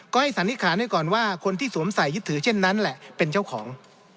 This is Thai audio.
ก็ให้สันนิษฐานไว้ก่อนว่าคนที่สวมใส่ยึดถือเช่นนั้นแหละเป็นเจ้าของ